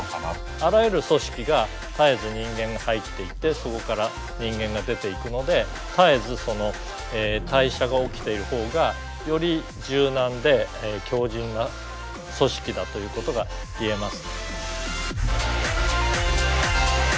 あらゆる組織が絶えず人間が入っていってそこから人間が出ていくので絶えずその代謝が起きているほうがより柔軟で強じんな組織だということが言えます。